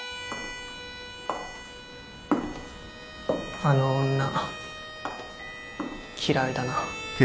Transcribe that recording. あの女嫌いだな。